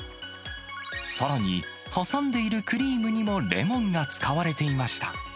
さらに、挟んでいるクリームにもレモンが使われていました。